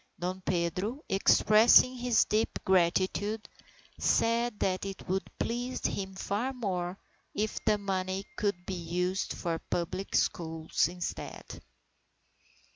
Dom Pedro, expressing his deep gratitude, said that it would please him far more if the money could be used for public schools instead.